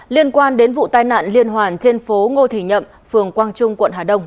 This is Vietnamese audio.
liên quan đến vụ tai nạn liên hoàn trên phố ngô thị nhậm phường quang trung quận hà đông